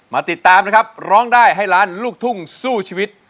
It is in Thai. มาติดตามนะครับร้องได้ให้ล้านลูกทุ่งสู้ชีวิต